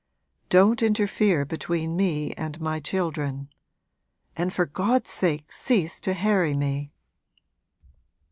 'Don't interfere between me and my children. And for God's sake cease to harry me!'